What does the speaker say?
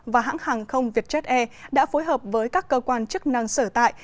và hãng hàng không vietjet air đã phối hợp với các cơ quan chức năng sở tại